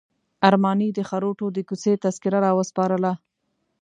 ارماني د خروټو د کوڅې تذکره راوسپارله.